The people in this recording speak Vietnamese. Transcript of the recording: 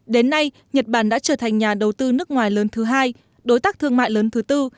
đến nay nhật bản đã trở thành nhà đầu tư nước ngoài lớn thứ hai đối tác thương mại lớn thứ tư